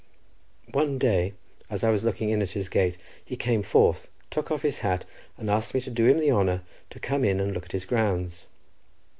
One day as I was looking in at his gate, he came forth, took off his hat, and asked me to do him the honour to come in and look at his grounds.